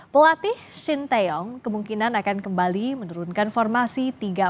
pelatih shin taeyong kemungkinan akan kembali menurunkan formasi tiga